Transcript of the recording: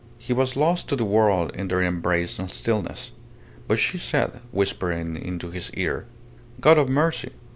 He was lost to the world in their embraced stillness. But she said, whispering into his ear "God of mercy!